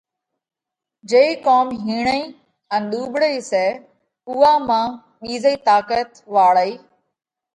جئِي قُوم ھيڻئي ان ۮُوٻۯئِي سئہ اُوئا مانھ ٻِيزئِي طاقت واۯئِي